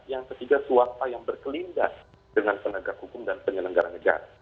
yang ketiga suap yang berkelindar dengan penegak hukum dan penyelenggaran negara